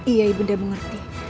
iya ibu nda mengerti